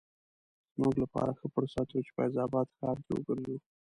زموږ لپاره ښه فرصت و چې فیض اباد ښار کې وګرځو.